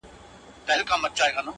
په پور او دار دا مناسبات و پالي